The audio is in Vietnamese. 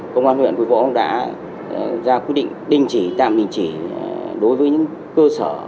công an huyện vũ võ đã ra quy định đình chỉ tạm đình chỉ đối với những cơ sở